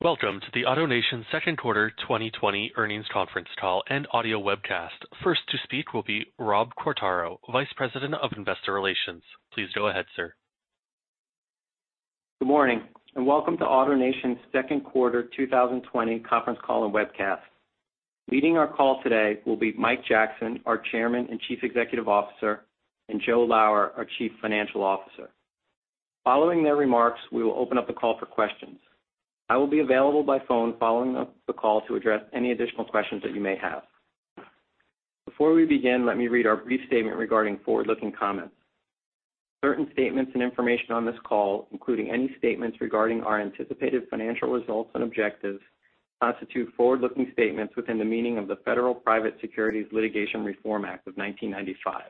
Welcome to the AutoNation Second Quarter 2020 Earnings Conference Call and Audio Webcast. First to speak will be Rob Quartaro, Vice President of Investor Relations. Please go ahead, sir. Good morning and welcome to AutoNation's Second Quarter 2020 Conference Call and Webcast. Leading our call today will be Mike Jackson, our Chairman and Chief Executive Officer, and Joe Lower, our Chief Financial Officer. Following their remarks, we will open up the call for questions. I will be available by phone following the call to address any additional questions that you may have. Before we begin, let me read our brief statement regarding forward-looking comments. Certain statements and information on this call, including any statements regarding our anticipated financial results and objectives, constitute forward-looking statements within the meaning of the Federal Private Securities Litigation Reform Act of 1995.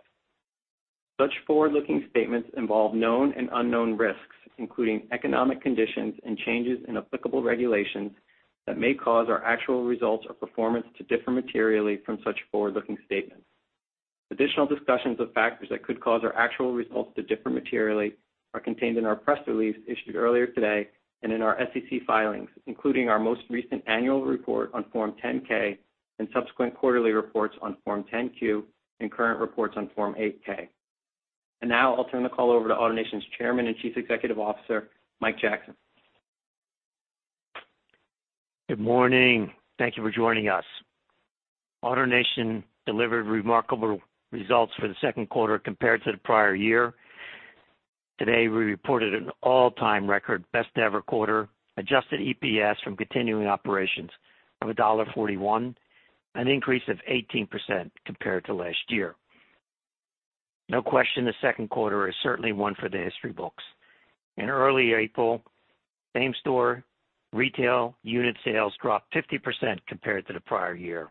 Such forward-looking statements involve known and unknown risks, including economic conditions and changes in applicable regulations that may cause our actual results or performance to differ materially from such forward-looking statements. Additional discussions of factors that could cause our actual results to differ materially are contained in our press release issued earlier today and in our SEC filings, including our most recent annual report on Form 10-K and subsequent quarterly reports on Form 10-Q and current reports on Form 8-K. And now I'll turn the call over to AutoNation's Chairman and Chief Executive Officer, Mike Jackson. Good morning. Thank you for joining us. AutoNation delivered remarkable results for the second quarter compared to the prior year. Today we reported an all-time record best-ever quarter, Adjusted EPS from continuing operations of $1.41, an increase of 18% compared to last year. No question the second quarter is certainly one for the history books. In early April, same-store retail unit sales dropped 50% compared to the prior year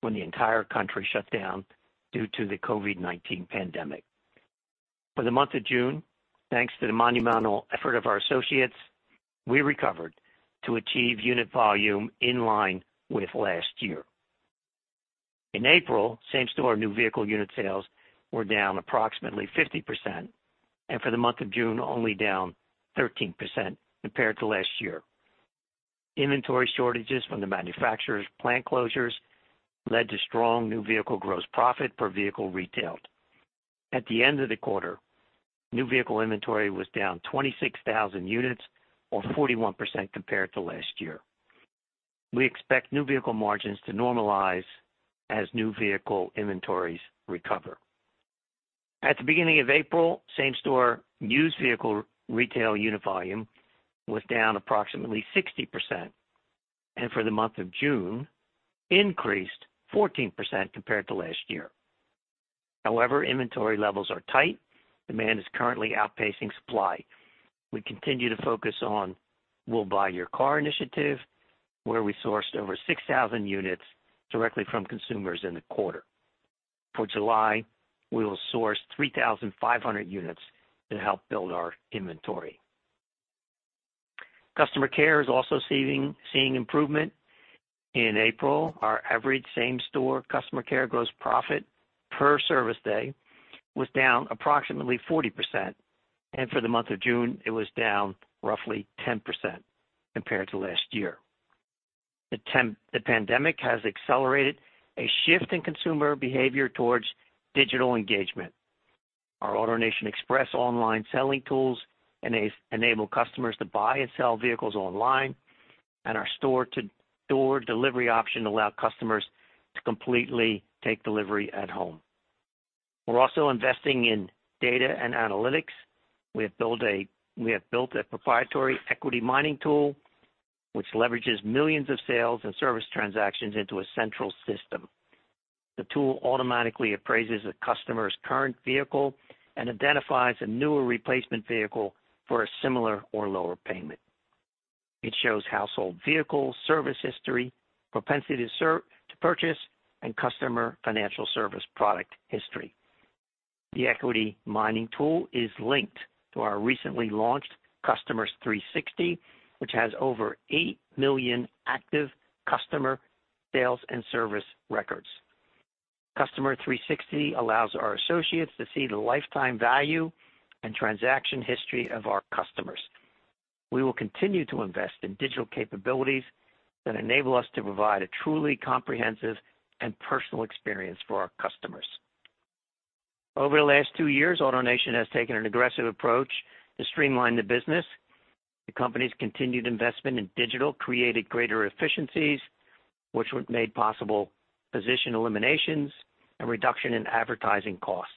when the entire country shut down due to the COVID-19 pandemic. For the month of June, thanks to the monumental effort of our associates, we recovered to achieve unit volume in line with last year. In April, same-store new vehicle unit sales were down approximately 50%, and for the month of June, only down 13% compared to last year. Inventory shortages from the manufacturers' plant closures led to strong new vehicle gross profit per vehicle retailed. At the end of the quarter, new vehicle inventory was down 26,000 units, or 41% compared to last year. We expect new vehicle margins to normalize as new vehicle inventories recover. At the beginning of April, same-store used vehicle retail unit volume was down approximately 60%, and for the month of June, increased 14% compared to last year. However, inventory levels are tight. Demand is currently outpacing supply. We continue to focus on the "We'll Buy Your Car" initiative, where we sourced over 6,000 units directly from consumers in the quarter. For July, we will source 3,500 units to help build our inventory. Customer Care is also seeing improvement. In April, our average same-store Customer Care gross profit per service day was down approximately 40%, and for the month of June, it was down roughly 10% compared to last year. The pandemic has accelerated a shift in consumer behavior towards digital engagement. Our AutoNation Express online selling tools enable customers to buy and sell vehicles online, and our store delivery option allows customers to completely take delivery at home. We're also investing in data and analytics. We have built a proprietary equity mining tool which leverages millions of sales and service transactions into a central system. The tool automatically appraises a customer's current vehicle and identifies a newer replacement vehicle for a similar or lower payment. It shows household vehicle service history, propensity to purchase, and customer financial service product history. The equity mining tool is linked to our recently launched Customer 360, which has over 8 million active customer sales and service records. Customer 360 allows our associates to see the lifetime value and transaction history of our customers. We will continue to invest in digital capabilities that enable us to provide a truly comprehensive and personal experience for our customers. Over the last two years, AutoNation has taken an aggressive approach to streamline the business. The company's continued investment in digital created greater efficiencies, which made possible position eliminations and reduction in advertising costs.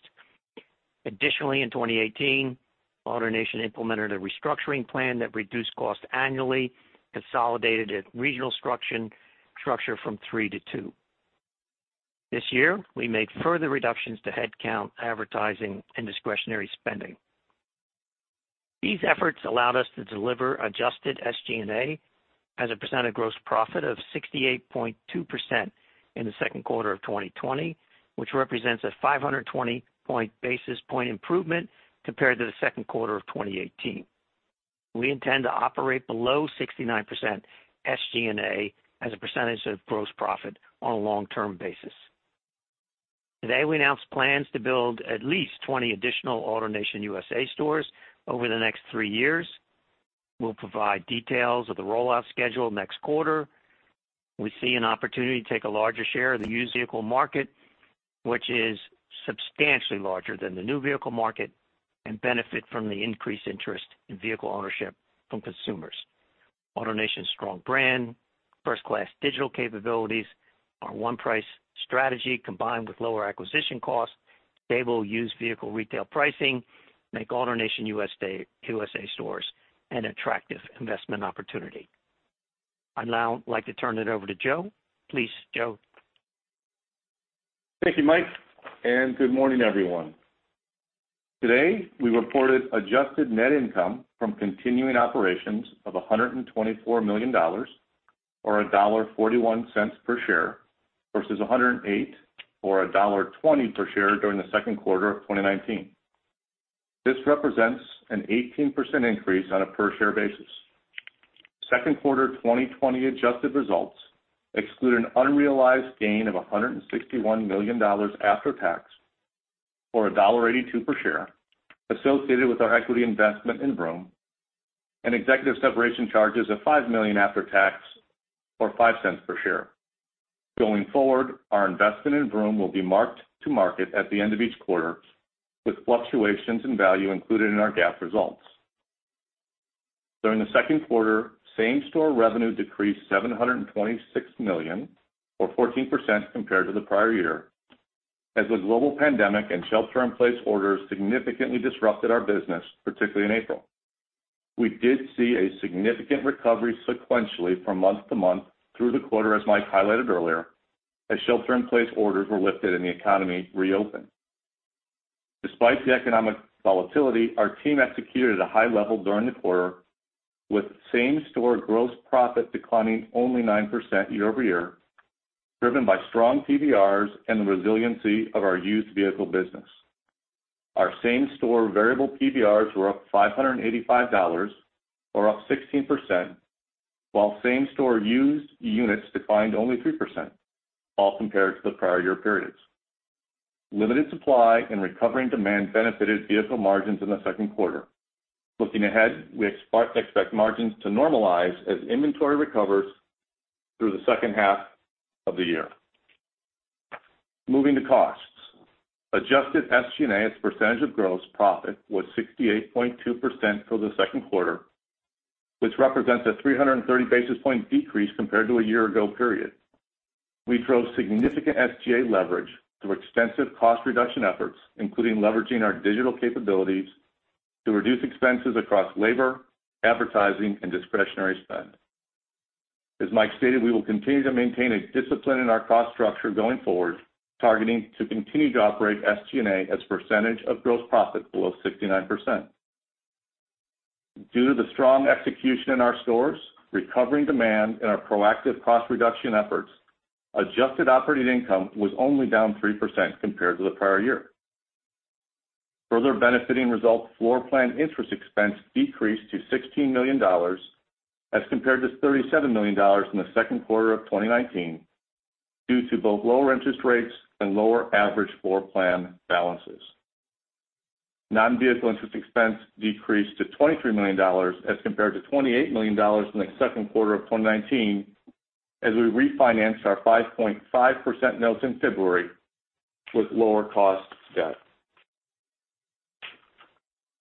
Additionally, in 2018, AutoNation implemented a restructuring plan that reduced costs annually, consolidated regional structure from three to two. This year, we made further reductions to headcount, advertising, and discretionary spending. These efforts allowed us to deliver adjusted SG&A as a percentage of gross profit of 68.2% in the second quarter of 2020, which represents a 520 basis point improvement compared to the second quarter of 2018. We intend to operate below 69% SG&A as a percentage of gross profit on a long-term basis. Today, we announced plans to build at least 20 additional AutoNation USA stores over the next three years. We'll provide details of the rollout schedule next quarter. We see an opportunity to take a larger share of the used vehicle market, which is substantially larger than the new vehicle market, and benefit from the increased interest in vehicle ownership from consumers. AutoNation's strong brand, first-class digital capabilities, our 1Price strategy combined with lower acquisition costs, stable used vehicle retail pricing make AutoNation USA stores an attractive investment opportunity. I'd now like to turn it over to Joe. Please, Joe. Thank you, Mike, and good morning, everyone. Today, we reported adjusted net income from continuing operations of $124 million, or $1.41 per share, versus $108, or $1.20 per share during the second quarter of 2019. This represents an 18% increase on a per-share basis. Second quarter 2020 adjusted results exclude an unrealized gain of $161 million after tax, or $1.82 per share, associated with our equity investment in Vroom, and executive separation charges of $5 million after tax, or $0.05 per share. Going forward, our investment in Vroom will be marked to market at the end of each quarter, with fluctuations in value included in our GAAP results. During the second quarter, same-store revenue decreased $726 million, or 14% compared to the prior year, as the global pandemic and shelter-in-place orders significantly disrupted our business, particularly in April. We did see a significant recovery sequentially from month to month through the quarter, as Mike highlighted earlier, as shelter-in-place orders were lifted and the economy reopened. Despite the economic volatility, our team executed at a high level during the quarter, with same-store gross profit declining only 9% year-over-year, driven by strong PVRs and the resiliency of our used vehicle business. Our same-store variable PVRs were up $585, or up 16%, while same-store used units declined only 3%, all compared to the prior year periods. Limited supply and recovering demand benefited vehicle margins in the second quarter. Looking ahead, we expect margins to normalize as inventory recovers through the second half of the year. Moving to costs, adjusted SG&A as a percentage of gross profit was 68.2% for the second quarter, which represents a 330 basis point decrease compared to a year-ago period. We drove significant SG&A leverage through extensive cost reduction efforts, including leveraging our digital capabilities to reduce expenses across labor, advertising, and discretionary spend. As Mike stated, we will continue to maintain a discipline in our cost structure going forward, targeting to continue to operate SG&A as a percentage of gross profit below 69%. Due to the strong execution in our stores, recovering demand, and our proactive cost reduction efforts, adjusted operating income was only down 3% compared to the prior year. Further benefiting results, floorplan interest expense decreased to $16 million as compared to $37 million in the second quarter of 2019 due to both lower interest rates and lower average floorplan balances. Non-vehicle interest expense decreased to $23 million as compared to $28 million in the second quarter of 2019 as we refinanced our 5.5% notes in February with lower cost debt.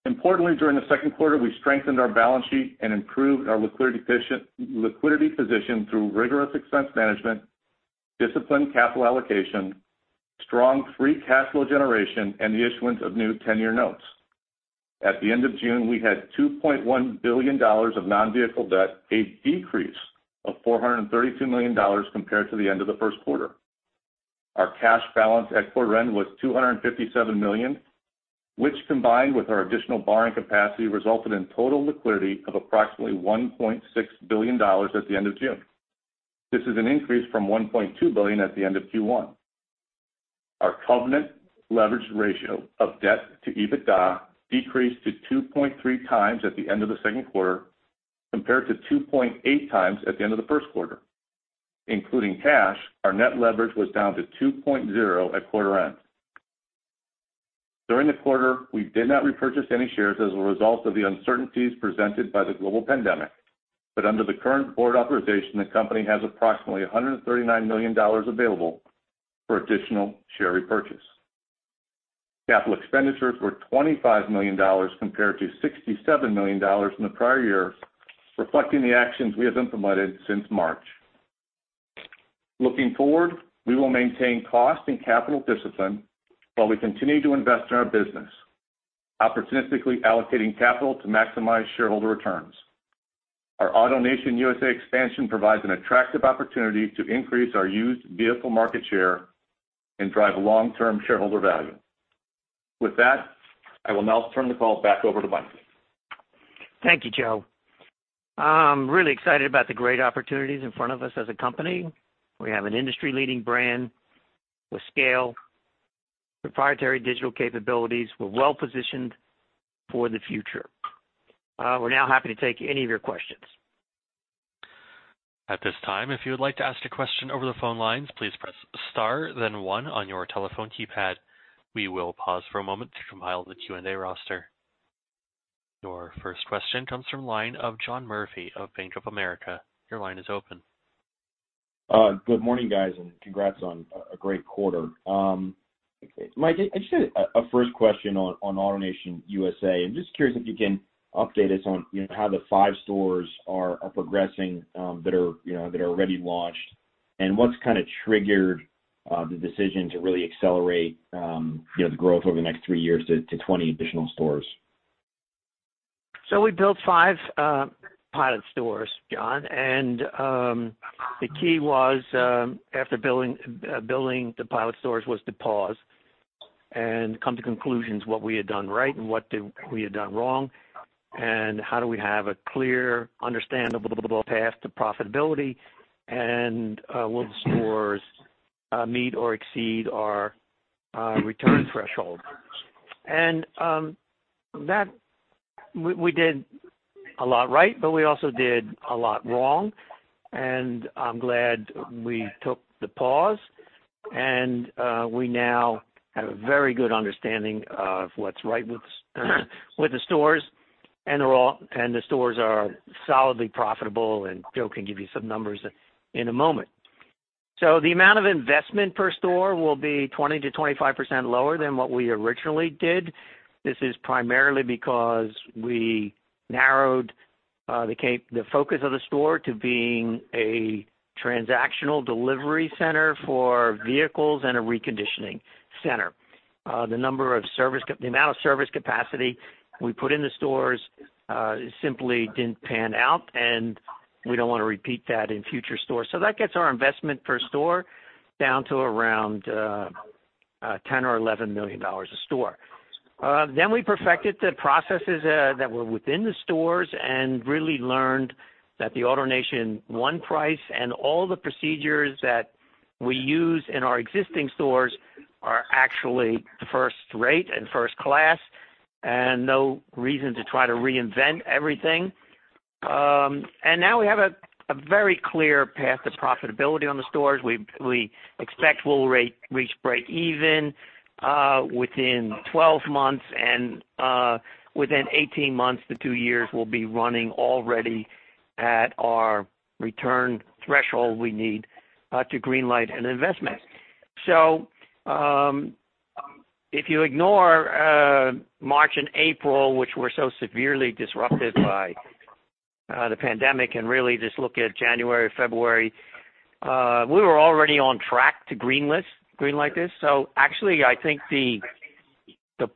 Importantly, during the second quarter, we strengthened our balance sheet and improved our liquidity position through rigorous expense management, disciplined capital allocation, strong free cash flow generation, and the issuance of new 10-year notes. At the end of June, we had $2.1 billion of non-vehicle debt, a decrease of $432 million compared to the end of the first quarter. Our cash balance at quarter end was $257 million, which combined with our additional borrowing capacity resulted in total liquidity of approximately $1.6 billion at the end of June. This is an increase from $1.2 billion at the end of Q1. Our covenant leverage ratio of debt to EBITDA decreased to 2.3x at the end of the second quarter compared to 2.8x at the end of the first quarter. Including cash, our net leverage was down to 2.0 at quarter end. During the quarter, we did not repurchase any shares as a result of the uncertainties presented by the global pandemic, but under the current board authorization, the company has approximately $139 million available for additional share repurchase. Capital expenditures were $25 million compared to $67 million in the prior year, reflecting the actions we have implemented since March. Looking forward, we will maintain cost and capital discipline while we continue to invest in our business, opportunistically allocating capital to maximize shareholder returns. Our AutoNation USA expansion provides an attractive opportunity to increase our used vehicle market share and drive long-term shareholder value. With that, I will now turn the call back over to Mike. Thank you, Joe. I'm really excited about the great opportunities in front of us as a company. We have an industry-leading brand with scale, proprietary digital capabilities. We're well-positioned for the future. We're now happy to take any of your questions. At this time, if you would like to ask a question over the phone lines, please press star, then one on your telephone keypad. We will pause for a moment to compile the Q&A roster. Your first question comes from line of John Murphy of Bank of America. Your line is open. Good morning, guys, and congrats on a great quarter. Mike, I just had a first question on AutoNation USA. I'm just curious if you can update us on how the five stores are progressing that are already launched, and what's kind of triggered the decision to really accelerate the growth over the next three years to 20 additional stores. We built five pilot stores, John, and the key was, after building the pilot stores, was to pause and come to conclusions what we had done right and what we had done wrong, and how do we have a clear, understandable path to profitability, and will the stores meet or exceed our return threshold. We did a lot right, but we also did a lot wrong, and I'm glad we took the pause. We now have a very good understanding of what's right with the stores, and the stores are solidly profitable, and Joe can give you some numbers in a moment. The amount of investment per store will be 20%-25% lower than what we originally did. This is primarily because we narrowed the focus of the store to being a transactional delivery center for vehicles and a reconditioning center. The number of service, the amount of service capacity we put in the stores simply didn't pan out, and we don't want to repeat that in future stores. So that gets our investment per store down to around $10 or $11 million a store. Then we perfected the processes that were within the stores and really learned that the AutoNation 1Price and all the procedures that we use in our existing stores are actually first rate and first class, and no reason to try to reinvent everything. And now we have a very clear path to profitability on the stores. We expect we'll reach break-even within 12 months, and within 18 months to two years, we'll be running already at our return threshold we need to greenlight an investment. So if you ignore March and April, which were so severely disrupted by the pandemic, and really just look at January, February, we were already on track to greenlight this. So actually, I think the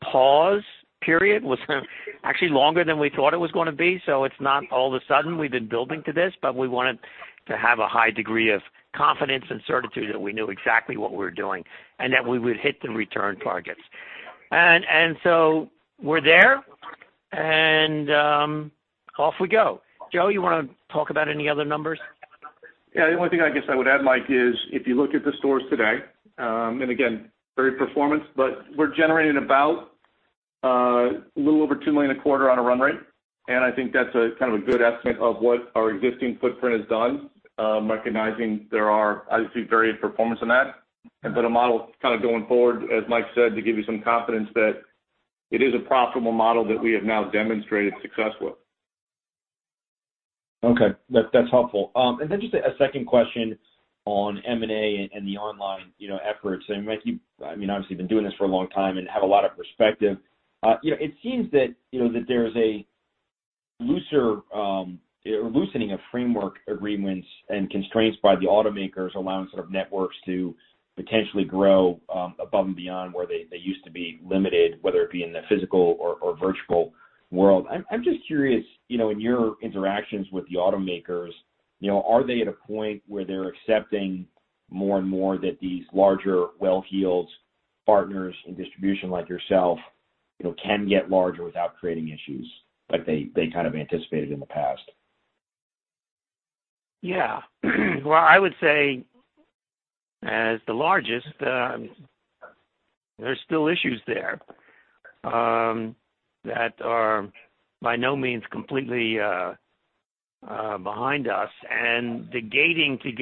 pause period was actually longer than we thought it was going to be, so it's not all of a sudden we've been building to this, but we wanted to have a high degree of confidence and certitude that we knew exactly what we were doing and that we would hit the return targets. And so we're there, and off we go. Joe, you want to talk about any other numbers? Yeah. The only thing I guess I would add, Mike, is if you look at the stores today, and again, great performance, but we're generating about a little over $2 million a quarter on a run rate, and I think that's kind of a good estimate of what our existing footprint has done, recognizing there are obviously varied performance in that. But a model kind of going forward, as Mike said, to give you some confidence that it is a profitable model that we have now demonstrated success with. Okay. That's helpful. And then just a second question on M&A and the online efforts. And Mike, you've obviously been doing this for a long time and have a lot of perspective. It seems that there's a loosening of framework agreements and constraints by the automakers, allowing sort of networks to potentially grow above and beyond where they used to be limited, whether it be in the physical or virtual world. I'm just curious, in your interactions with the automakers, are they at a point where they're accepting more and more that these larger well-heeled partners in distribution like yourself can get larger without creating issues like they kind of anticipated in the past? Yeah. Well, I would say as the largest, there's still issues there that are by no means completely behind us. And the gating to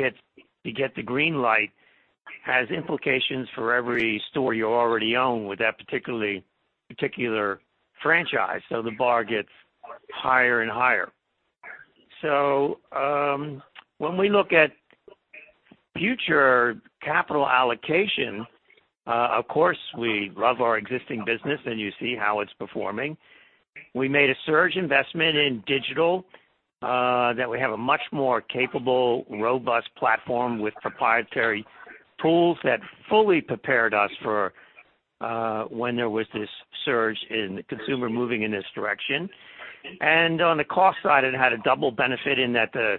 get the green light has implications for every store you already own with that particular franchise, so the bar gets higher and higher. So when we look at future capital allocation, of course, we love our existing business, and you see how it's performing. We made a surge investment in digital that we have a much more capable, robust platform with proprietary tools that fully prepared us for when there was this surge in consumer moving in this direction. And on the cost side, it had a double benefit in that the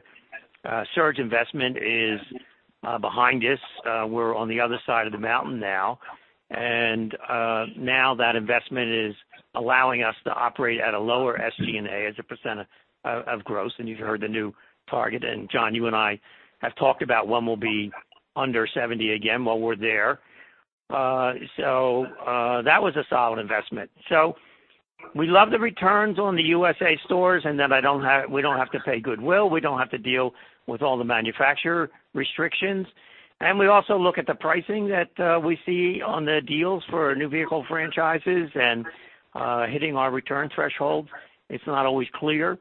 surge investment is behind us. We're on the other side of the mountain now, and now that investment is allowing us to operate at a lower SG&A as a percent of growth. And you've heard the new target, and John, you and I have talked about when we'll be under 70 again while we're there. So that was a solid investment. So we love the returns on the USA stores, and then we don't have to pay goodwill. We don't have to deal with all the manufacturer restrictions. And we also look at the pricing that we see on the deals for new vehicle franchises and hitting our return threshold. It's not always clear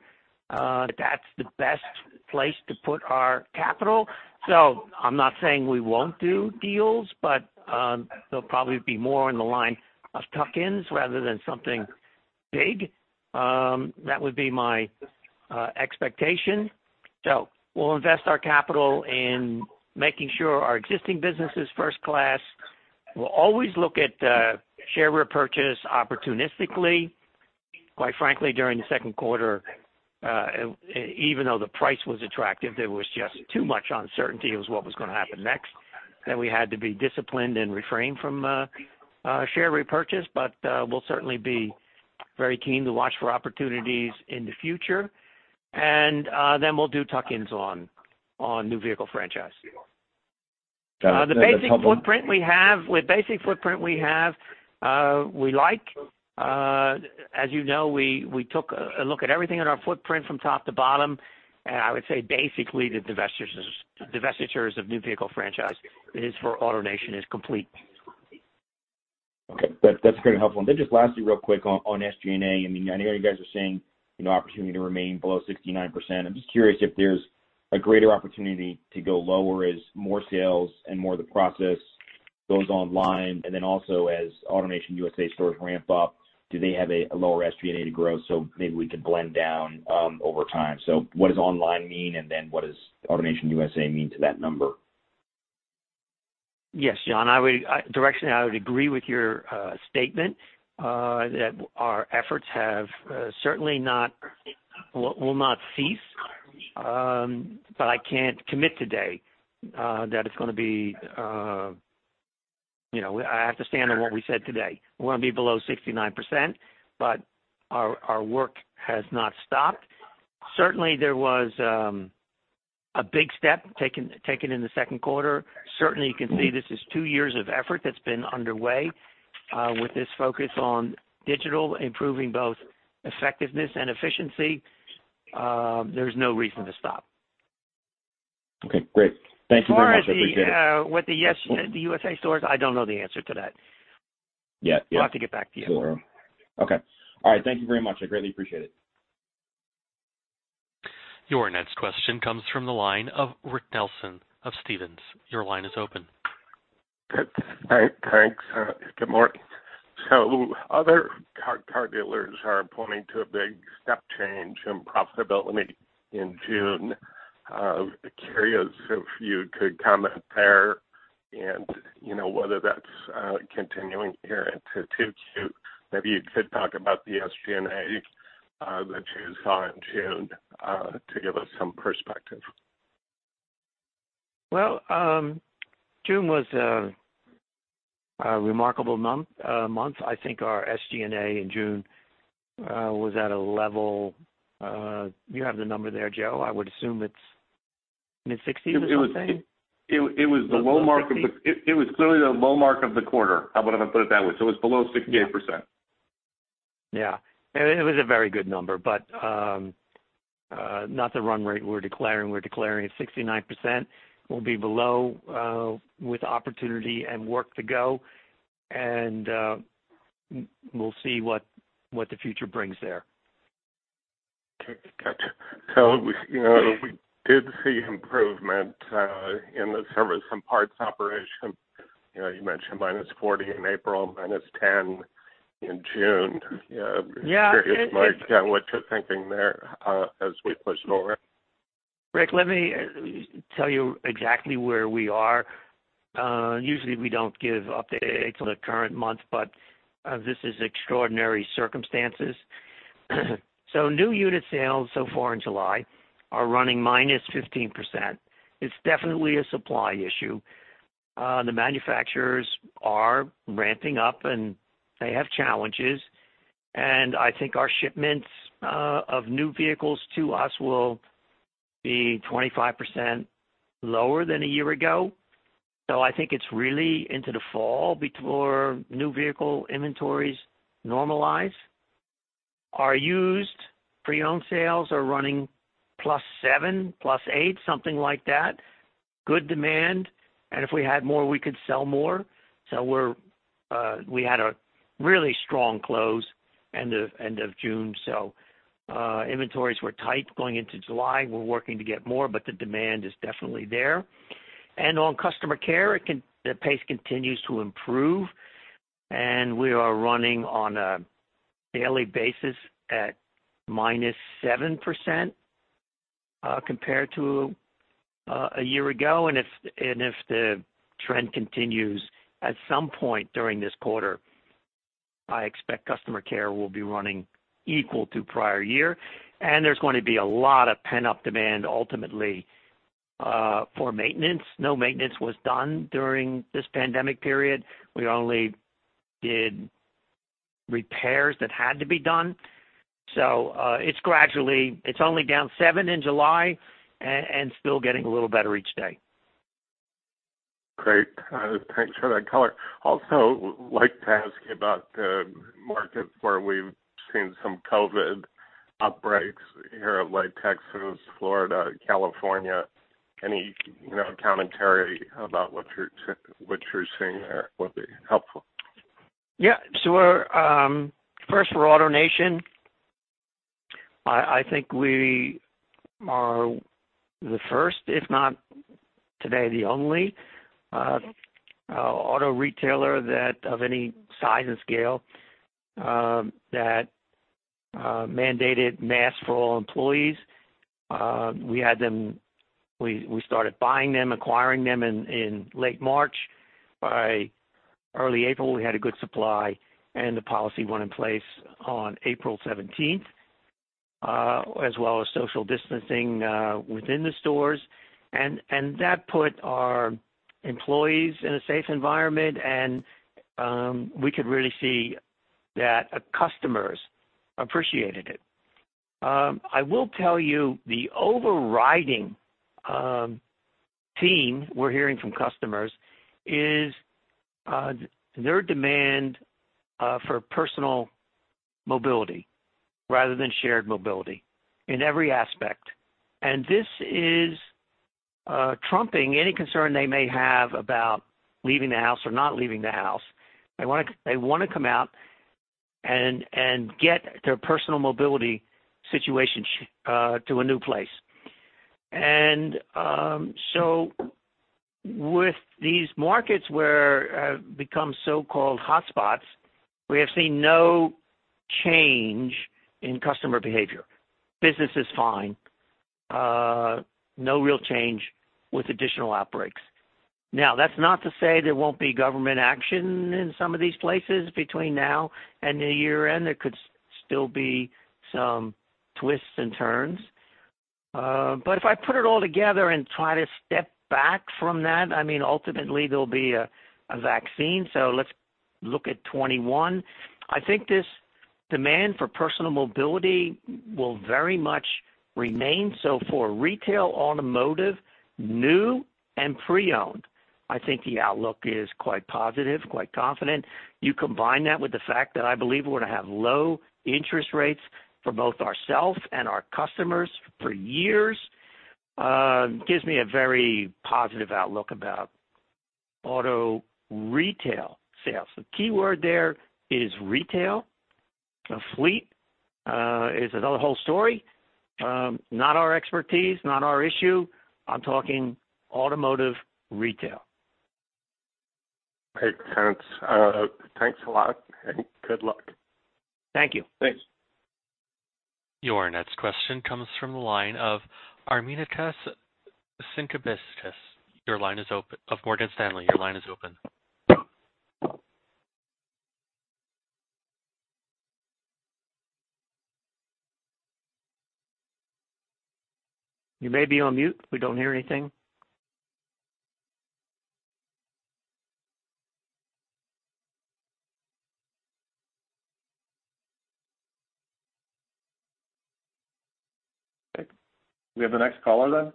that that's the best place to put our capital. So I'm not saying we won't do deals, but they'll probably be more in the line of tuck-ins rather than something big. That would be my expectation. So we'll invest our capital in making sure our existing business is first class. We'll always look at share repurchase opportunistically. Quite frankly, during the second quarter, even though the price was attractive, there was just too much uncertainty of what was going to happen next, and we had to be disciplined and refrain from share repurchase. But we'll certainly be very keen to watch for opportunities in the future, and then we'll do tuck-ins on new vehicle franchise. The basic footprint we have, we like. As you know, we took a look at everything in our footprint from top to bottom, and I would say basically the divestitures of new vehicle franchise for AutoNation is complete. Okay. That's very helpful. And then just lastly, real quick on SG&A. I mean, I know you guys are seeing opportunity to remain below 69%. I'm just curious if there's a greater opportunity to go lower as more sales and more of the process goes online, and then also as AutoNation USA stores ramp up, do they have a lower SG&A to grow so maybe we can blend down over time? So what does online mean, and then what does AutoNation USA mean to that number? Yes, John. Directionally, I would agree with your statement that our efforts have certainly not, will not cease, but I can't commit today that it's going to be. I have to stand on what we said today. We're going to be below 69%, but our work has not stopped. Certainly, there was a big step taken in the second quarter. Certainly, you can see this is two years of effort that's been underway with this focus on digital, improving both effectiveness and efficiency. There's no reason to stop. Okay. Great. Thank you very much. I appreciate it. How is the USA stores? I don't know the answer to that. Yeah. Yeah. We'll have to get back to you. Sure. Okay. All right. Thank you very much. I greatly appreciate it. Your next question comes from the line of Rick Nelson of Stephens. Your line is open. All right. Thanks. Good morning. So other car dealers are pointing to a big step change in profitability in June. Curious if you could comment there and whether that's continuing here into Q2. Maybe you could talk about the SG&A that you saw in June to give us some perspective. June was a remarkable month. I think our SG&A in June was at a level you have the number there, Joe. I would assume it's mid-60 or something? It was clearly the low mark of the quarter, how about if I put it that way? So it was below 68%. Yeah. It was a very good number, but not the run rate we're declaring. We're declaring at 69%. We'll be below with opportunity and work to go, and we'll see what the future brings there. Okay. Gotcha. So we did see improvement in the service and parts operation. You mentioned -40 in April, -10 in June. I'm curious, Mike, what you're thinking there as we push forward. Rick, let me tell you exactly where we are. Usually, we don't give updates on the current month, but this is extraordinary circumstances. So new unit sales so far in July are running -15%. It's definitely a supply issue. The manufacturers are ramping up, and they have challenges. And I think our shipments of new vehicles to us will be 25% lower than a year ago. So I think it's really into the fall before new vehicle inventories normalize. Our used pre-owned sales are running +7, +8, something like that. Good demand. And if we had more, we could sell more. So we had a really strong close end of June. So inventories were tight going into July. We're working to get more, but the demand is definitely there. On Customer Care, the pace continues to improve, and we are running on a daily basis at -7% compared to a year ago. If the trend continues at some point during this quarter, I expect Customer Care will be running equal to prior year. There's going to be a lot of pent-up demand ultimately for maintenance. No maintenance was done during this pandemic period. We only did repairs that had to be done. It's only down 7% in July and still getting a little better each day. Great. Thanks for that, caller. Also, I'd like to ask you about the markets where we've seen some COVID outbreaks here lately in Texas, Florida, California. Any commentary about what you're seeing there would be helpful. Yeah. So first, for AutoNation, I think we are the first, if not today the only auto retailer of any size and scale that mandated masks for all employees. We started buying them, acquiring them in late March. By early April, we had a good supply, and the policy went in place on April 17th, as well as social distancing within the stores. And that put our employees in a safe environment, and we could really see that customers appreciated it. I will tell you the overriding theme we're hearing from customers is their demand for personal mobility rather than shared mobility in every aspect. And this is trumping any concern they may have about leaving the house or not leaving the house. They want to come out and get their personal mobility situation to a new place. So with these markets where it becomes so-called hotspots, we have seen no change in customer behavior. Business is fine. No real change with additional outbreaks. Now, that's not to say there won't be government action in some of these places between now and the year-end. There could still be some twists and turns. But if I put it all together and try to step back from that, I mean, ultimately, there'll be a vaccine. So let's look at 2021. I think this demand for personal mobility will very much remain. So for retail, automotive, new, and pre-owned, I think the outlook is quite positive, quite confident. You combine that with the fact that I believe we're going to have low interest rates for both ourselves and our customers for years. It gives me a very positive outlook about auto retail sales. The keyword there is retail. The fleet is another whole story. Not our expertise, not our issue. I'm talking automotive retail. Okay. Thanks. Thanks a lot, and good luck. Thank you. Thanks. Your next question comes from the line of Armintas Sinkevicius of Morgan Stanley. Your line is open. You may be on mute. We don't hear anything. Okay. We have the next caller then.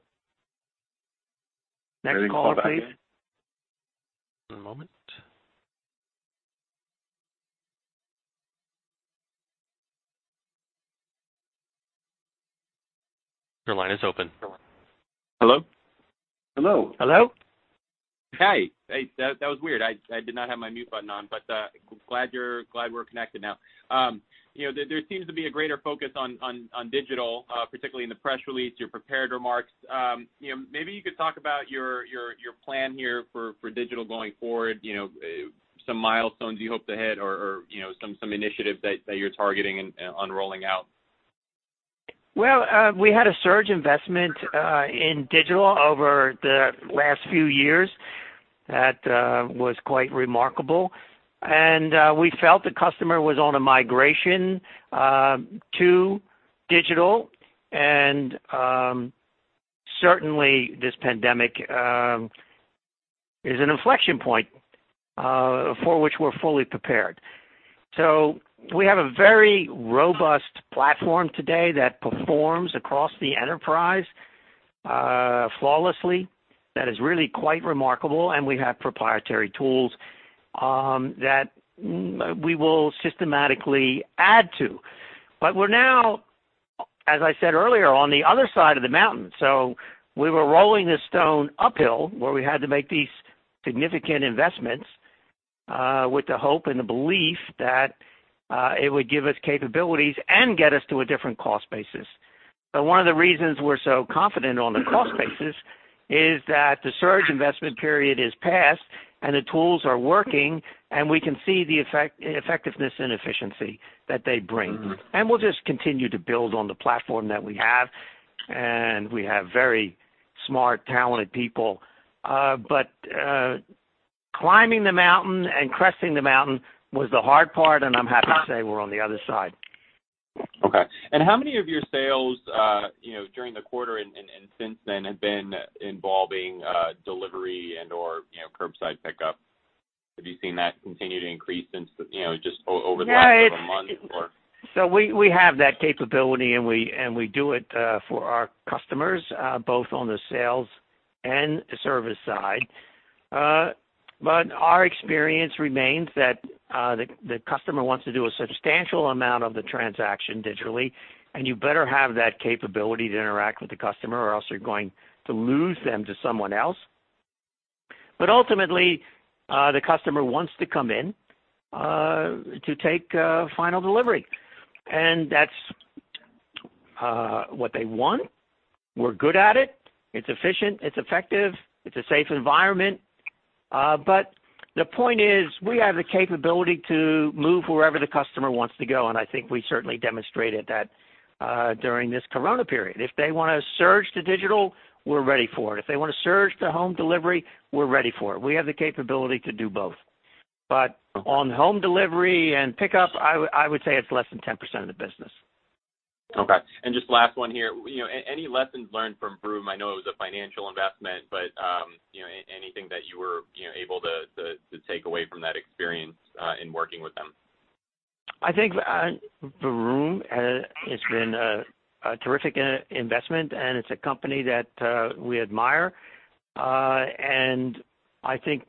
Next caller, please. One moment. Your line is open. Hello? Hello. Hello? Hey. Hey. That was weird. I did not have my mute button on, but glad we're connected now. There seems to be a greater focus on digital, particularly in the press release, your prepared remarks. Maybe you could talk about your plan here for digital going forward, some milestones you hope to hit, or some initiatives that you're targeting and rolling out? Well, we had a surge investment in digital over the last few years. That was quite remarkable. And we felt the customer was on a migration to digital. And certainly, this pandemic is an inflection point for which we're fully prepared. So we have a very robust platform today that performs across the enterprise flawlessly. That is really quite remarkable. And we have proprietary tools that we will systematically add to. But we're now, as I said earlier, on the other side of the mountain. So we were rolling the stone uphill where we had to make these significant investments with the hope and the belief that it would give us capabilities and get us to a different cost basis. But one of the reasons we're so confident on the cost basis is that the surge investment period is past, and the tools are working, and we can see the effectiveness and efficiency that they bring. And we'll just continue to build on the platform that we have. And we have very smart, talented people. But climbing the mountain and cresting the mountain was the hard part, and I'm happy to say we're on the other side. Okay. And how many of your sales during the quarter and since then have been involving delivery and/or curbside pickup? Have you seen that continue to increase just over the last couple of months or? So we have that capability, and we do it for our customers, both on the sales and the service side. But our experience remains that the customer wants to do a substantial amount of the transaction digitally, and you better have that capability to interact with the customer, or else you're going to lose them to someone else. But ultimately, the customer wants to come in to take final delivery. And that's what they want. We're good at it. It's efficient. It's effective. It's a safe environment. But the point is we have the capability to move wherever the customer wants to go. And I think we certainly demonstrated that during this Corona period. If they want to surge to digital, we're ready for it. If they want to surge to home delivery, we're ready for it. We have the capability to do both. But on home delivery and pickup, I would say it's less than 10% of the business. Okay. And just last one here. Any lessons learned from Vroom? I know it was a financial investment, but anything that you were able to take away from that experience in working with them? I think Vroom has been a terrific investment, and it's a company that we admire. And I think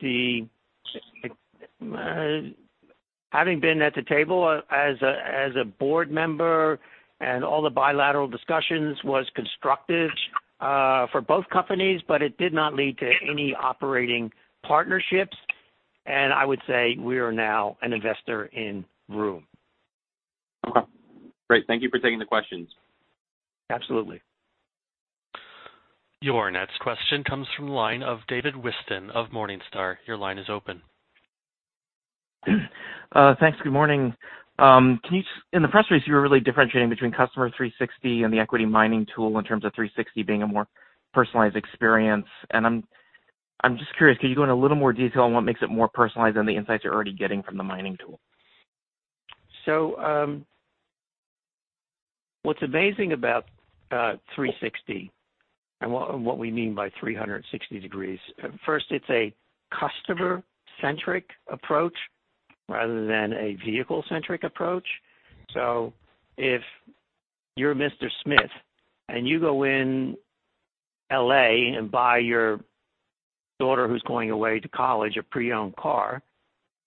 having been at the table as a board member and all the bilateral discussions was constructive for both companies, but it did not lead to any operating partnerships. And I would say we are now an investor in Vroom. Okay. Great. Thank you for taking the questions. Absolutely. Your next question comes from the line of David Whiston of Morningstar. Your line is open. Thanks. Good morning. In the press release, you were really differentiating between Customer 360 and the equity mining tool in terms of 360 being a more personalized experience. And I'm just curious, could you go into a little more detail on what makes it more personalized than the insights you're already getting from the mining tool? What's amazing about 360 and what we mean by 360 degrees, first, it's a customer-centric approach rather than a vehicle-centric approach. So if you're Mr. Smith and you go in LA and buy your daughter who's going away to college a pre-owned car,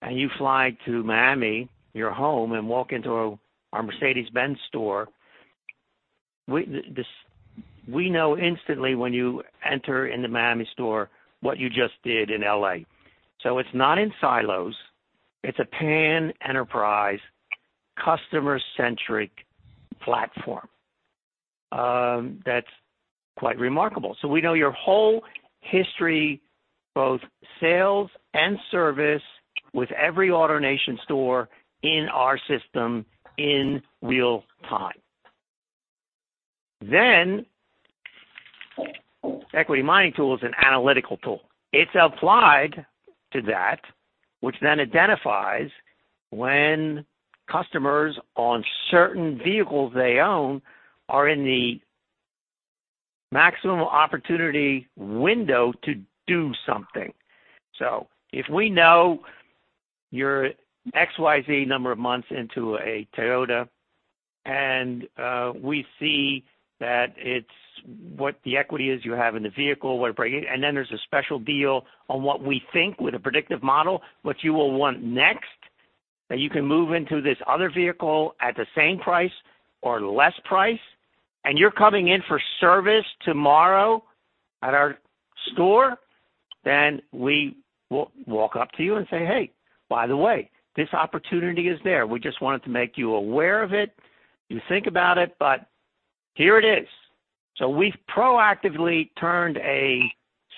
and you fly to Miami, your home, and walk into our Mercedes-Benz store, we know instantly when you enter in the Miami store what you just did in LA. So it's not in silos. It's a pan-enterprise customer-centric platform that's quite remarkable. So we know your whole history, both sales and service, with every AutoNation store in our system in real time. Then equity mining tool is an analytical tool. It's applied to that, which then identifies when customers on certain vehicles they own are in the maximum opportunity window to do something. So if we know you're XYZ number of months into a Toyota and we see that it's what the equity is you have in the vehicle, what it brings, and then there's a special deal on what we think with a predictive model, what you will want next, that you can move into this other vehicle at the same price or less price, and you're coming in for service tomorrow at our store, then we will walk up to you and say, "Hey, by the way, this opportunity is there. We just wanted to make you aware of it. You think about it, but here it is." So we've proactively turned a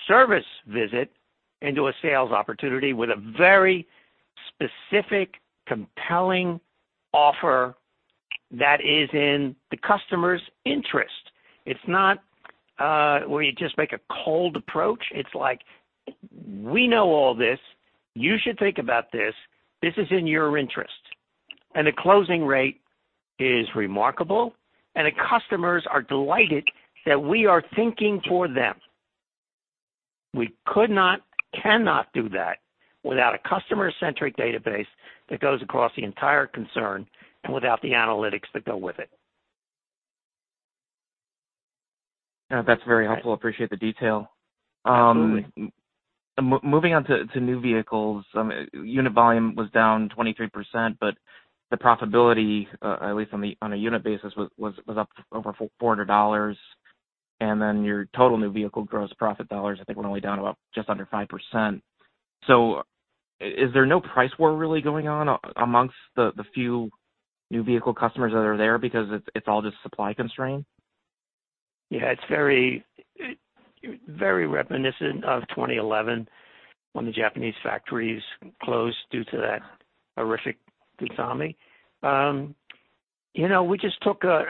service visit into a sales opportunity with a very specific, compelling offer that is in the customer's interest. It's not where you just make a cold approach. It's like, "We know all this. You should think about this. This is in your interest." The closing rate is remarkable, and the customers are delighted that we are thinking for them. We cannot do that without a customer-centric database that goes across the entire concern and without the analytics that go with it. That's very helpful. Appreciate the detail. Moving on to new vehicles, unit volume was down 23%, but the profitability, at least on a unit basis, was up over $400. And then your total new vehicle gross profit dollars, I think, were only down about just under 5%. So is there no price war really going on among the few new vehicle customers that are there because it's all just supply constrained? Yeah. It's very reminiscent of 2011 when the Japanese factories closed due to that horrific tsunami. We just took the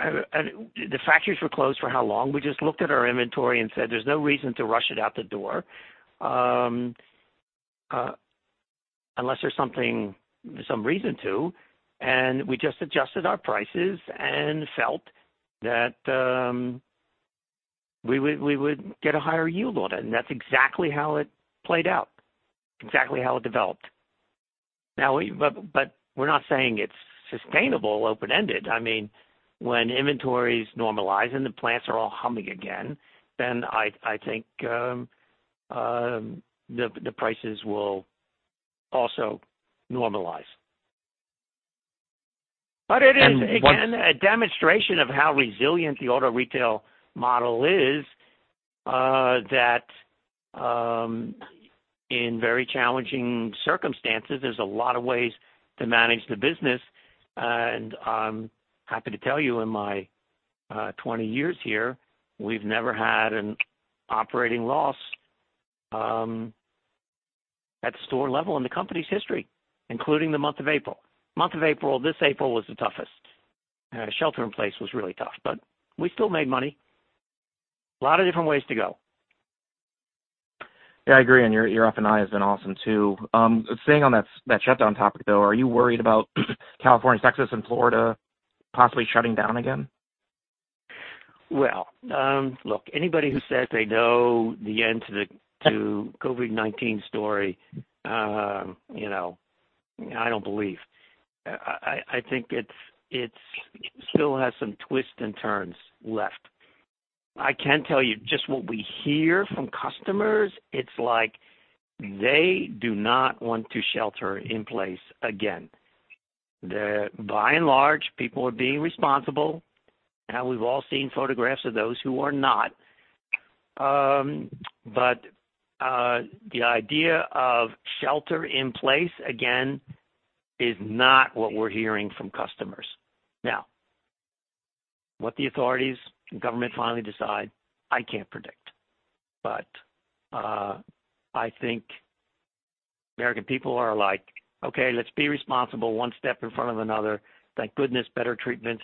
factories were closed for how long? We just looked at our inventory and said, "There's no reason to rush it out the door unless there's some reason to," and we just adjusted our prices and felt that we would get a higher yield on it, and that's exactly how it played out, exactly how it developed, but we're not saying it's sustainable, open-ended. I mean, when inventories normalize and the plants are all humming again, then I think the prices will also normalize, but it is, again, a demonstration of how resilient the auto retail model is, that in very challenging circumstances, there's a lot of ways to manage the business. I'm happy to tell you in my 20 years here, we've never had an operating loss at the store level in the company's history, including the month of April. Month of April, this April was the toughest. Shelter-in-place was really tough, but we still made money. A lot of different ways to go. Yeah. I agree, and your upside has been awesome too. Staying on that shutdown topic, though, are you worried about California, Texas, and Florida possibly shutting down again? Well, look, anybody who says they know the end to the COVID-19 story, I don't believe. I think it still has some twists and turns left. I can tell you just what we hear from customers; it's like they do not want to shelter-in-place again. By and large, people are being responsible. Now, we've all seen photographs of those who are not. But the idea of shelter-in-place again is not what we're hearing from customers. Now, what the authorities and government finally decide, I can't predict. But I think American people are like, "Okay. Let's be responsible one step in front of another. Thank goodness better treatments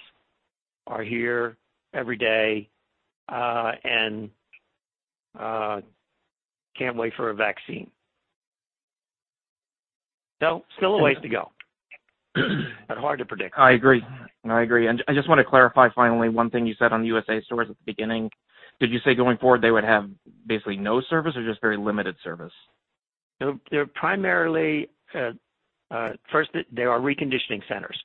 are here every day, and can't wait for a vaccine." So still a ways to go, but hard to predict. I agree. I agree. And I just want to clarify finally one thing you said on USA stores at the beginning. Did you say going forward they would have basically no service or just very limited service? They're primarily first, they are reconditioning centers.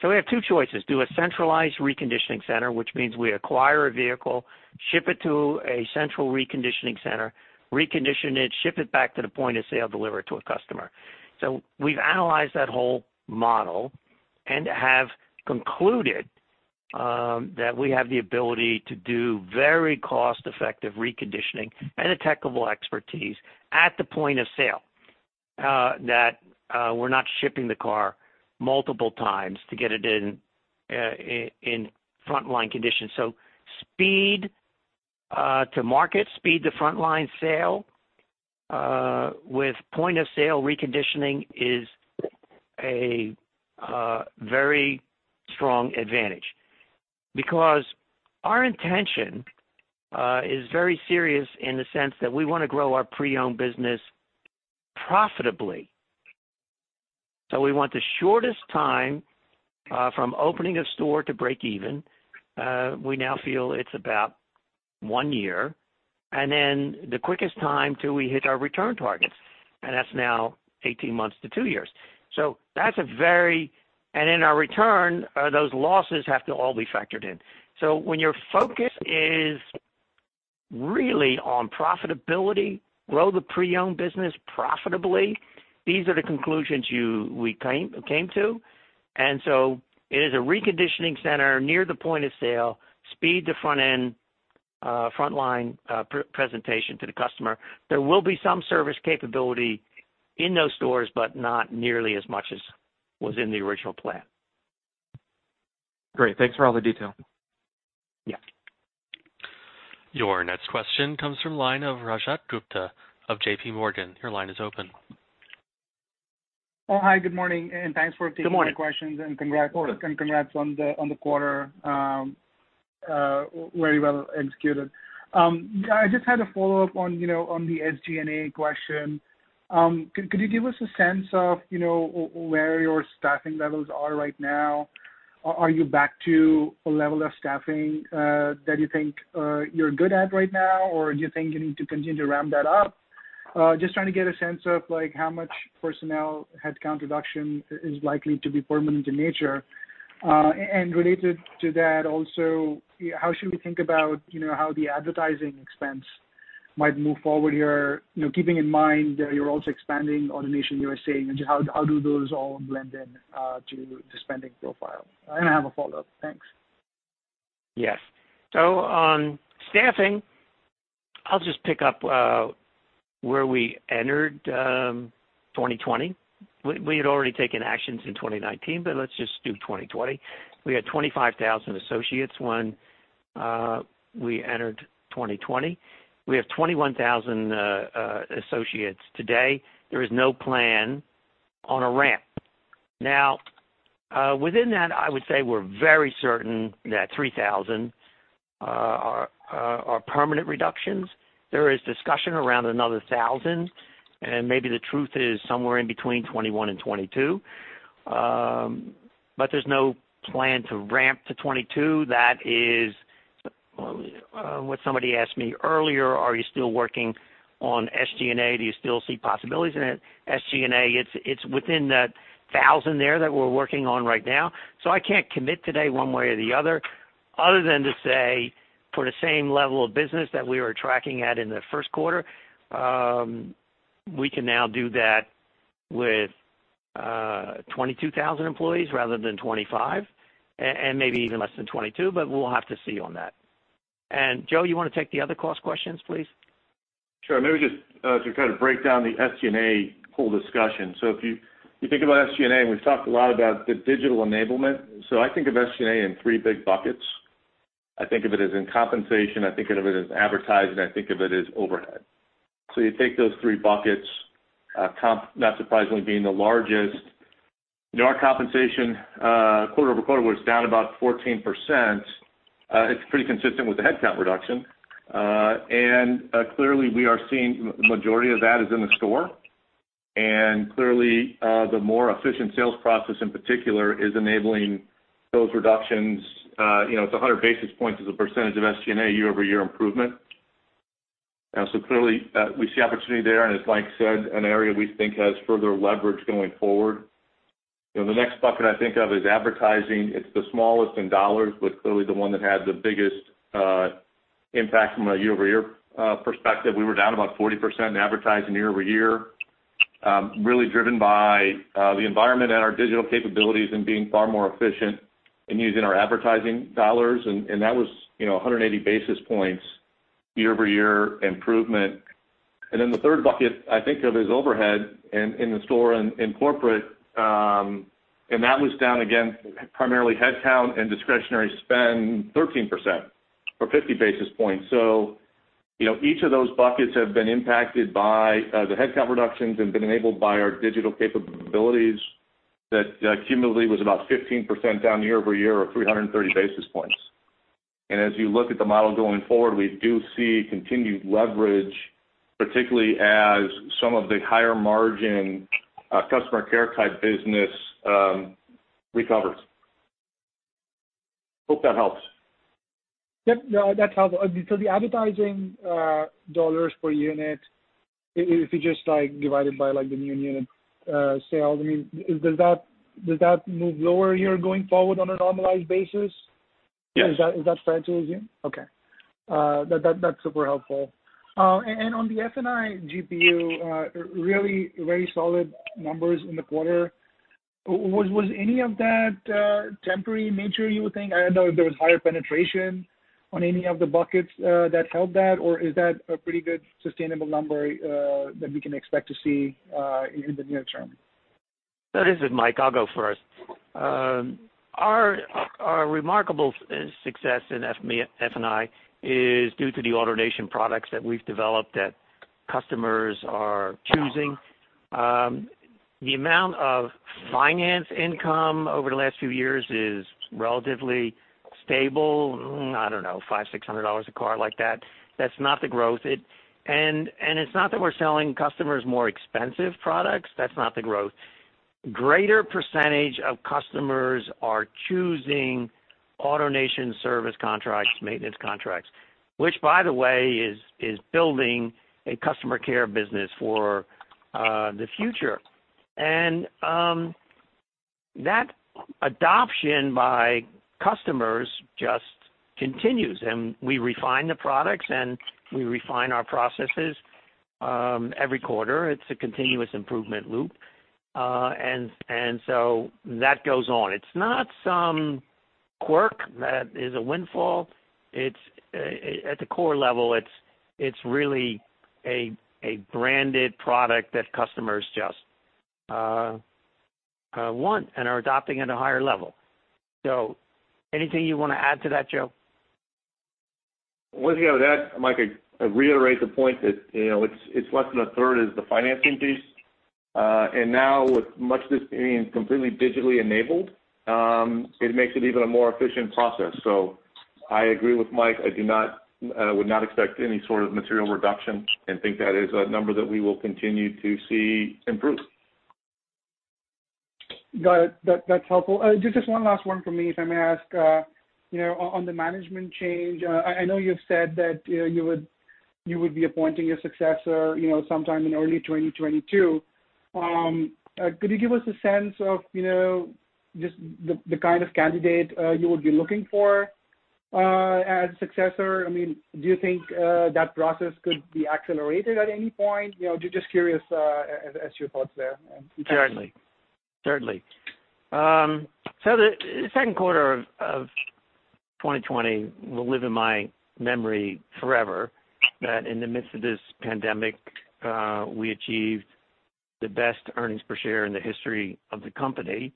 So we have two choices: do a centralized reconditioning center, which means we acquire a vehicle, ship it to a central reconditioning center, recondition it, ship it back to the point of sale, deliver it to a customer. So we've analyzed that whole model and have concluded that we have the ability to do very cost-effective reconditioning and a technical expertise at the point of sale that we're not shipping the car multiple times to get it in frontline condition. So speed to market, speed to frontline sale with point of sale reconditioning is a very strong advantage because our intention is very serious in the sense that we want to grow our pre-owned business profitably. So we want the shortest time from opening a store to break even. We now feel it's about one year. Then the quickest time till we hit our return targets. That's now 18 months to two years. So that's a very attractive return. In our return, those losses have to all be factored in. So when your focus is really on profitability, grow the pre-owned business profitably. These are the conclusions we came to. So it is a reconditioning center near the point of sale, speed to front-end frontline presentation to the customer. There will be some service capability in those stores, but not nearly as much as was in the original plan. Great. Thanks for all the detail. Yeah. Your next question comes from Rajat Gupta of JPMorgan. Your line is open. Oh, hi. Good morning. And thanks for taking the questions and congrats on the quarter. Very well executed. I just had a follow-up on the SG&A question. Could you give us a sense of where your staffing levels are right now? Are you back to a level of staffing that you think you're good at right now, or do you think you need to continue to ramp that up? Just trying to get a sense of how much personnel headcount reduction is likely to be permanent in nature. And related to that, also, how should we think about how the advertising expense might move forward here, keeping in mind you're also expanding AutoNation USA? And how do those all blend into the spending profile? And I have a follow-up. Thanks. Yes. So on staffing, I'll just pick up where we entered 2020. We had already taken actions in 2019, but let's just do 2020. We had 25,000 associates when we entered 2020. We have 21,000 associates today. There is no plan on a ramp. Now, within that, I would say we're very certain that 3,000 are permanent reductions. There is discussion around another 1,000, and maybe the truth is somewhere in between 21 and 22. But there's no plan to ramp to 22. That is what somebody asked me earlier. Are you still working on SG&A? Do you still see possibilities in it? SG&A, it's within that 1,000 there that we're working on right now. I can't commit today one way or the other, other than to say for the same level of business that we were tracking at in the first quarter, we can now do that with 22,000 employees rather than 25,000, and maybe even less than 22,000, but we'll have to see on that. And Joe, you want to take the other cost questions, please? Sure. Maybe just to kind of break down the SG&A whole discussion. So if you think about SG&A, and we've talked a lot about the digital enablement. So I think of SG&A in three big buckets. I think of it as in compensation. I think of it as advertising. I think of it as overhead. So you take those three buckets, comp not surprisingly being the largest. Our compensation, quarter over quarter, was down about 14%. It's pretty consistent with the headcount reduction. And clearly, we are seeing the majority of that is in the store. And clearly, the more efficient sales process in particular is enabling those reductions. It's 100 basis points as a percentage of SG&A year-over-year improvement. So clearly, we see opportunity there. And it's, like I said, an area we think has further leverage going forward. The next bucket I think of is advertising. It's the smallest in dollars, but clearly the one that had the biggest impact from a year-over-year perspective. We were down about 40% in advertising year-over-year, really driven by the environment and our digital capabilities and being far more efficient in using our advertising dollars, and that was 180 basis points year-over-year improvement, and then the third bucket I think of is overhead in the store and corporate, and that was down again, primarily headcount and discretionary spend, 13% or 50 basis points, so each of those buckets have been impacted by the headcount reductions and been enabled by our digital capabilities that cumulatively was about 15% down year-over-year or 330 basis points, and as you look at the model going forward, we do see continued leverage, particularly as some of the higher-margin customer care type business recovers. Hope that helps. Yep. No, that's helpful. So the advertising dollars per unit, if you just divide it by the new unit sales, I mean, does that move lower year going forward on a normalized basis? Yes. Is that fair to assume? Okay. That's super helpful, and on the F&I GPU, really very solid numbers in the quarter. Was any of that temporary in nature, you would think? I don't know if there was higher penetration on any of the buckets that helped that, or is that a pretty good sustainable number that we can expect to see in the near term? That is with Mike. I'll go first. Our remarkable success in F&I is due to the AutoNation products that we've developed that customers are choosing. The amount of finance income over the last few years is relatively stable. I don't know, $500-$600 a car like that. That's not the growth. And it's not that we're selling customers more expensive products. That's not the growth. Greater percentage of customers are choosing AutoNation service contracts, maintenance contracts, which, by the way, is building a customer care business for the future. And that adoption by customers just continues. And we refine the products, and we refine our processes every quarter. It's a continuous improvement loop. And so that goes on. It's not some quirk that is a windfall. At the core level, it's really a branded product that customers just want and are adopting at a higher level. So anything you want to add to that, Joe? With that, Mike, I reiterate the point that it's less than 1/3 is the financing piece, and now, with much of this being completely digitally enabled, it makes it even a more efficient process, so I agree with Mike. I would not expect any sort of material reduction, and think that is a number that we will continue to see improve. Got it. That's helpful. Just one last one for me, if I may ask. On the management change, I know you've said that you would be appointing a successor sometime in early 2022. Could you give us a sense of just the kind of candidate you would be looking for as a successor? I mean, do you think that process could be accelerated at any point? Just curious as to your thoughts there. Certainly. Certainly, so the second quarter of 2020 will live in my memory forever, that in the midst of this pandemic, we achieved the best earnings per share in the history of the company.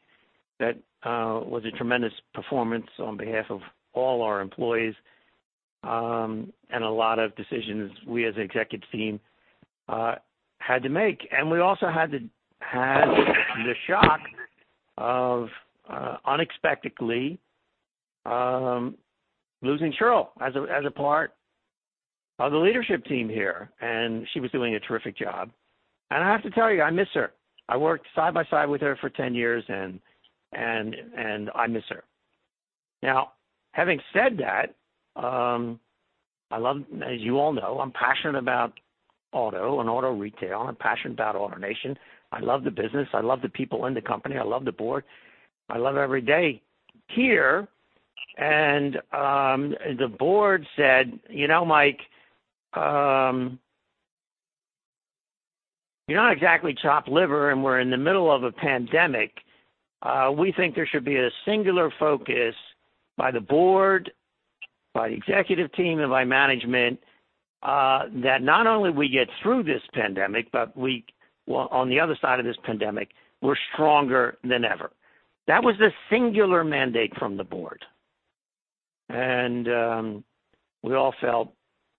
That was a tremendous performance on behalf of all our employees and a lot of decisions we as an executive team had to make, and we also had the shock of unexpectedly losing Cheryl as a part of the leadership team here, and she was doing a terrific job, and I have to tell you, I miss her. I worked side by side with her for 10 years, and I miss her. Now, having said that, as you all know, I'm passionate about auto and auto retail. I'm passionate about automation. I love the business. I love the people in the company. I love the board. I love every day here. And the board said, "You know, Mike, you're not exactly chopped liver, and we're in the middle of a pandemic. We think there should be a singular focus by the board, by the executive team, and by management that not only we get through this pandemic, but on the other side of this pandemic, we're stronger than ever." That was the singular mandate from the board. And we all felt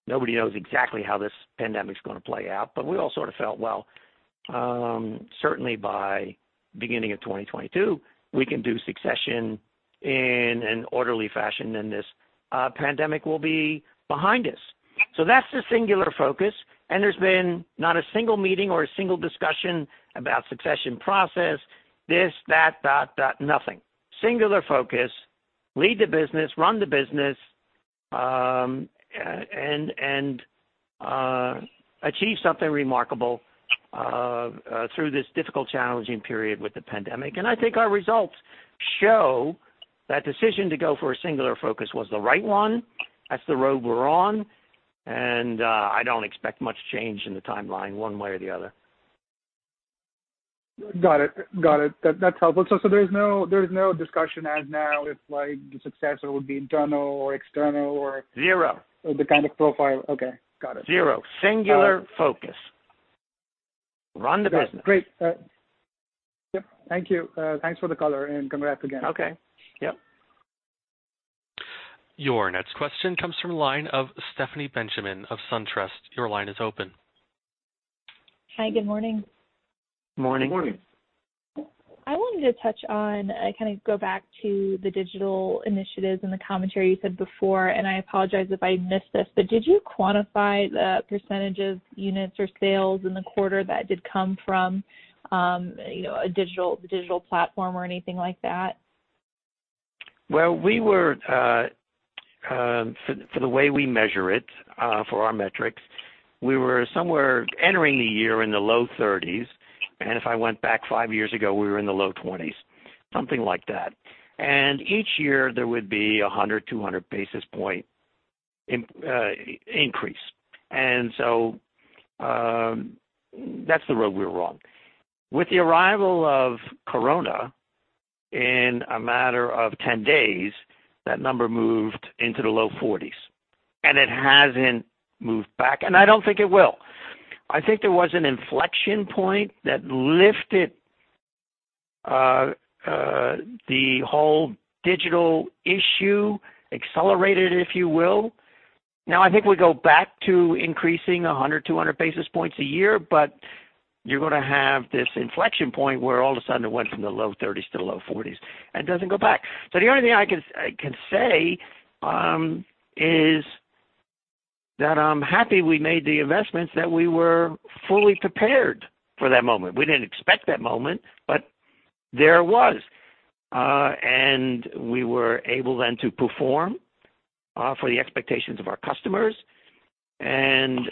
nobody knows exactly how this pandemic is going to play out, but we all sort of felt, "Well, certainly by beginning of 2022, we can do succession in an orderly fashion, and this pandemic will be behind us." So that's the singular focus. And there's been not a single meeting or a single discussion about succession process, this, that, nothing. Singular focus, lead the business, run the business, and achieve something remarkable through this difficult, challenging period with the pandemic. And I think our results show that decision to go for a singular focus was the right one. That's the road we're on. And I don't expect much change in the timeline one way or the other. Got it. Got it. That's helpful. So there's no discussion as of now if the successor would be internal or external or. Zero. The kind of profile. Okay. Got it. Zero. Singular focus. Run the business. Great. Yep. Thank you. Thanks for the color, and congrats again. Okay. Yep. Your next question comes from the line of Stephanie Benjamin of SunTrust. Your line is open. Hi. Good morning. Morning. Good morning. I wanted to touch on kind of go back to the digital initiatives and the commentary you said before, and I apologize if I missed this, but did you quantify the percentage of units or sales in the quarter that did come from a digital platform or anything like that? For the way we measure it for our metrics, we were somewhere entering the year in the low 30s. If I went back five years ago, we were in the low 20s, something like that. Each year, there would be 100, 200 basis point increase. That's the road we were on. With the arrival of corona, in a matter of 10 days, that number moved into the low 40s. It hasn't moved back. I don't think it will. I think there was an inflection point that lifted the whole digital issue, accelerated it, if you will. Now, I think we go back to increasing 100, 200 basis points a year, but you're going to have this inflection point where all of a sudden it went from the low 30s to the low 40s and doesn't go back. The only thing I can say is that I'm happy we made the investments, that we were fully prepared for that moment. We didn't expect that moment, but there it was. We were able then to perform for the expectations of our customers and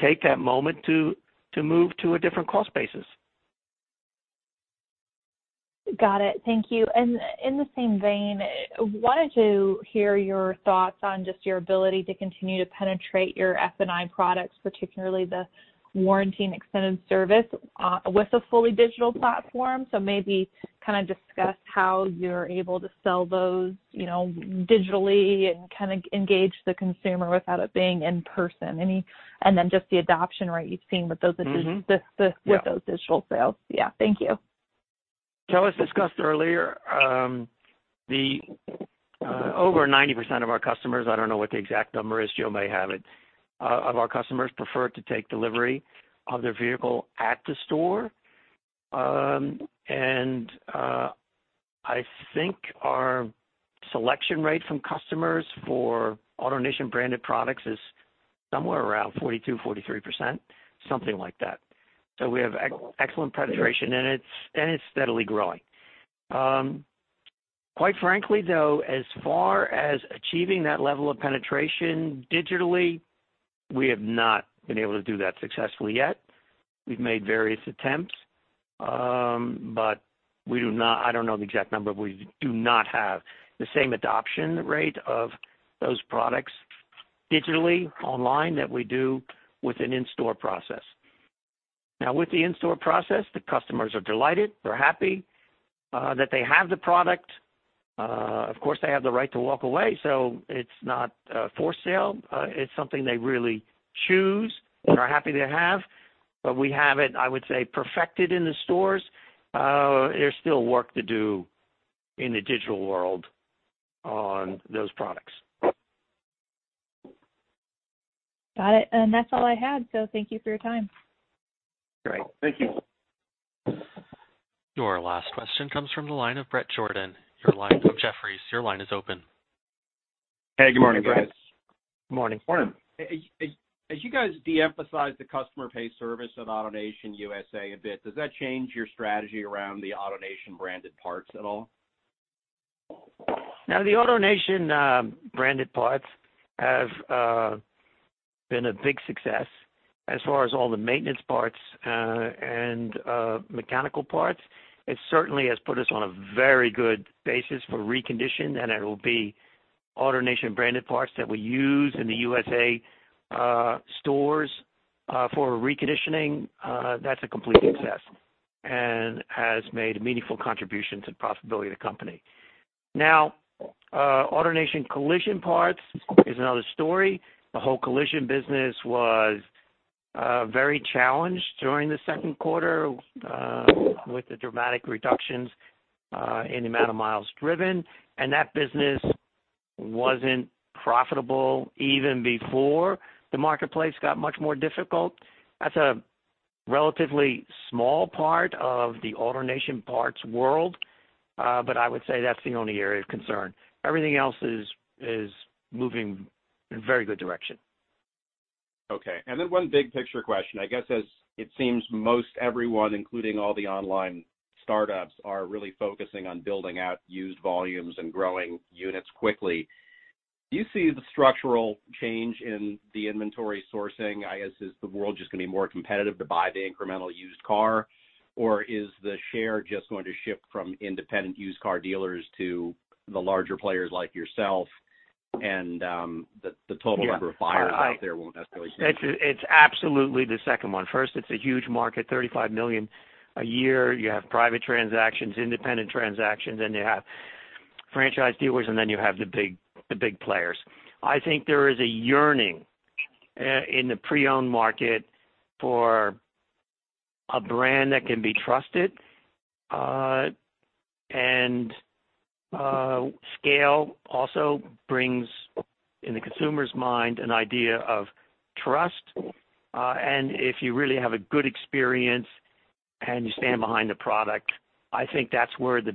take that moment to move to a different cost basis. Got it. Thank you. And in the same vein, I wanted to hear your thoughts on just your ability to continue to penetrate your F&I products, particularly the warranty and extended service with a fully digital platform. So maybe kind of discuss how you're able to sell those digitally and kind of engage the consumer without it being in person. And then just the adoption rate you've seen with those digital sales. Yeah. Thank you. As discussed earlier, over 90% of our customers. I don't know what the exact number is. Joe may have it. Of our customers prefer to take delivery of their vehicle at the store. I think our selection rate from customers for AutoNation-branded products is somewhere around 42%-43%, something like that. We have excellent penetration, and it's steadily growing. Quite frankly, though, as far as achieving that level of penetration digitally, we have not been able to do that successfully yet. We've made various attempts, but I don't know the exact number, but we do not have the same adoption rate of those products digitally online that we do with an in-store process. Now, with the in-store process, the customers are delighted. They're happy that they have the product. Of course, they have the right to walk away. So it's not for sale. It's something they really choose and are happy to have. But we have it, I would say, perfected in the stores. There's still work to do in the digital world on those products. Got it. And that's all I had. So thank you for your time. Great. Thank you. Your last question comes from the line of Bret Jordan. Your line from Jefferies. Your line is open. Hey. Good morning, Bret. Good morning. Morning. As you guys de-emphasize the customer pay service at AutoNation USA a bit, does that change your strategy around the AutoNation-branded parts at all? Now, the AutoNation-branded parts have been a big success as far as all the maintenance parts and mechanical parts. It certainly has put us on a very good basis for reconditioning. And it will be AutoNation-branded parts that we use in the USA stores for reconditioning. That's a complete success and has made a meaningful contribution to the profitability of the company. Now, AutoNation Collision Parts is another story. The whole collision business was very challenged during the second quarter with the dramatic reductions in the amount of miles driven. And that business wasn't profitable even before the marketplace got much more difficult. That's a relatively small part of the AutoNation parts world, but I would say that's the only area of concern. Everything else is moving in a very good direction. Okay. And then one big picture question, I guess, as it seems most everyone, including all the online startups, are really focusing on building out used volumes and growing units quickly. Do you see the structural change in the inventory sourcing as is the world just going to be more competitive to buy the incremental used car, or is the share just going to shift from independent used car dealers to the larger players like yourself and the total number of buyers out there won't necessarily change? It's absolutely the second one. First, it's a huge market, 35 million a year. You have private transactions, independent transactions, and you have franchise dealers, and then you have the big players. I think there is a yearning in the pre-owned market for a brand that can be trusted. And scale also brings in the consumer's mind an idea of trust. And if you really have a good experience and you stand behind the product, I think that's where the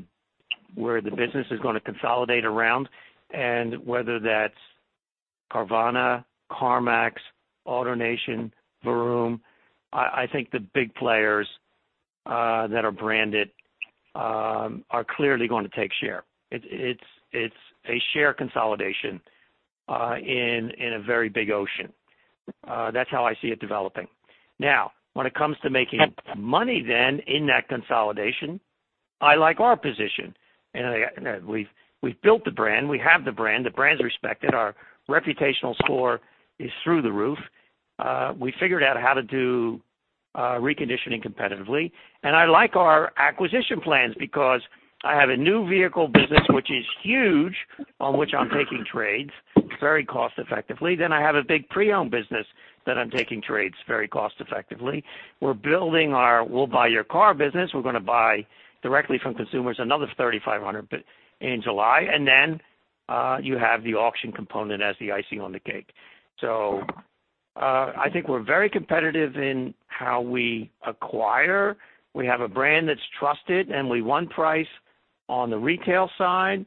business is going to consolidate around. And whether that's Carvana, CarMax, AutoNation, Vroom, I think the big players that are branded are clearly going to take share. It's a share consolidation in a very big ocean. That's how I see it developing. Now, when it comes to making money then in that consolidation, I like our position. And we've built the brand. We have the brand. The brand's respected. Our reputational score is through the roof. We figured out how to do reconditioning competitively, and I like our acquisition plans because I have a new vehicle business, which is huge, on which I'm taking trades very cost-effectively, then I have a big pre-owned business that I'm taking trades very cost-effectively. We're building our We'll Buy Your Car business. We're going to buy directly from consumers another 3,500 in July, and then you have the auction component as the icing on the cake, so I think we're very competitive in how we acquire. We have a brand that's trusted, and we have one price on the retail side.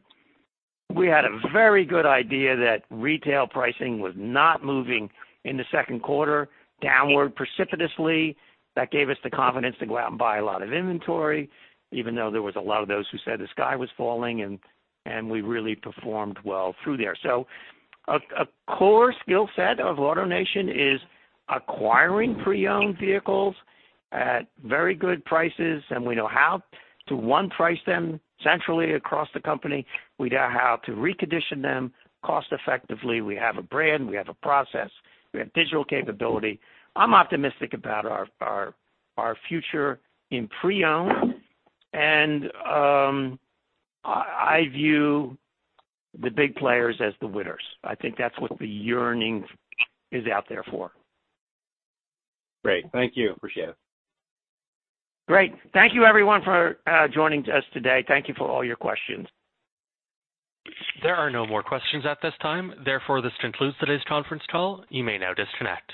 We had a very good idea that retail pricing was not moving in the second quarter downward precipitously. That gave us the confidence to go out and buy a lot of inventory, even though there was a lot of those who said the sky was falling, and we really performed well through there, so a core skill set of AutoNation is acquiring pre-owned vehicles at very good prices, and we know how to one-price them centrally across the company. We know how to recondition them cost-effectively. We have a brand. We have a process. We have digital capability. I'm optimistic about our future in pre-owned, and I view the big players as the winners. I think that's what the yearning is out there for. Great. Thank you. Appreciate it. Great. Thank you, everyone, for joining us today. Thank you for all your questions. There are no more questions at this time. Therefore, this concludes today's conference call. You may now disconnect.